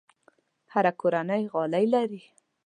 هره کورنۍ غالۍ لري.